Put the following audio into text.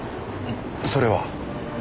それは？